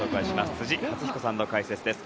辻発彦さんの解説です。